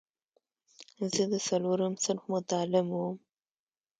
زه د څلورم صنف متعلم وم.